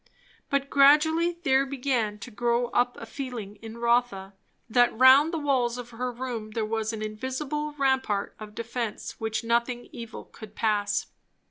But gradually there began to grow up a feeling in Rotha, that round the walls of her room there was an invisible rampart of defence which nothing evil could pass.